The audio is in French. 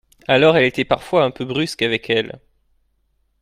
Alors elle était parfois un peu brusque avec elle